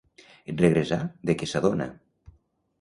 En regressar, de què s'adonà?